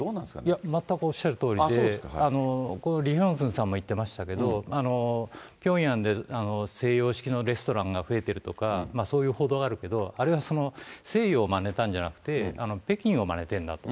いや、まったくおっしゃるとおりで、このリ・ヒョンスンさんも言ってましたけれども、ピョンヤンで西洋式のレストランが増えてるとか、そういう報道があるけど、あれは西洋をまねたんじゃなくて、北京をまねてるんだと。